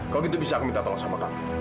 kalau gitu bisa aku minta tolong sama kamu